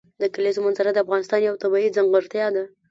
د کلیزو منظره د افغانستان یوه طبیعي ځانګړتیا ده.